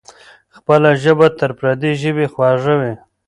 خپله ژبه تر پردۍ ژبې خوږه وي.